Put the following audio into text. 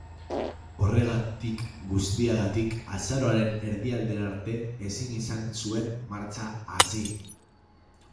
Horregatik guztiagatik azaroaren erdialdera arte ezin izan zuen martxa hasi.